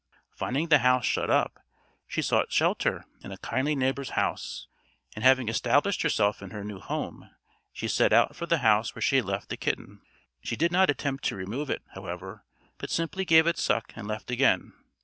Finding the house shut up, she sought shelter in a kindly neighbour's house; and having established herself in her new home, she set out for the house where she had left the kitten. She did not attempt to remove it, however, but simply gave it suck and left again.